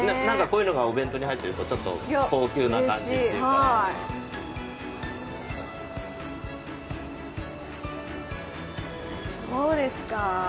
なんかこういうのがお弁当に入ってるとちょっと高級な感じっていうかね。